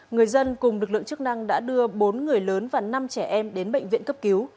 người dân cùng lực lượng chức năng đã đưa bốn người lớn và năm trẻ em đến bệnh viện cấp cứu